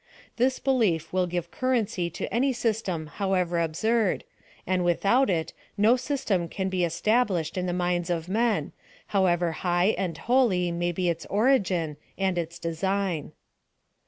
This belief will give currency to any system however absurd, and without it, no system can be established in the minds of men, however high and holy may be its origin and its design.